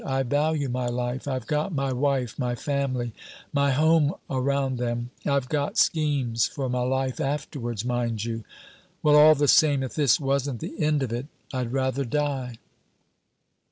I value my life; I've got my wife, my family, my home around them; I've got schemes for my life afterwards, mind you. Well, all the same, if this wasn't the end of it, I'd rather die."